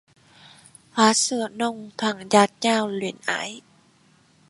Hoa sữa nồng thoảng dạt dào luyến ái